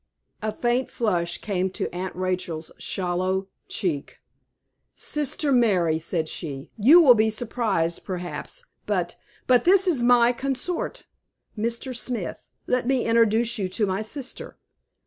A faint flush came to Aunt Rachel's sallow cheek. "Sister Mary," said she, "you will be surprised, perhaps, but but this is my consort. Mr. Smith, let me introduce you to my sister."